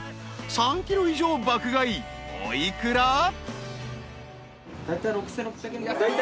［３ｋｇ以上爆買いお幾ら？］